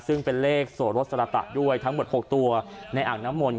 ซึ่งเป็นเลขโสรสสรตะด้วยทั้งหมด๖ตัวในอ่างน้ำมนต